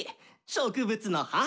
植物の母！